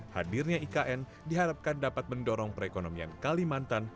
hadirnya ikn diharapkan dapat mendorong perekonomian kalimantan